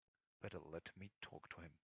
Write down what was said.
Better let me talk to him.